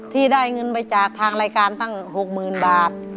ที่ได้เงินไปจากทางรายการตั้ง๖๐๐๐บาท